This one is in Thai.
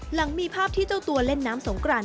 หลังมีภาพที่เจ้าตัวเล่นน้ำสงกราน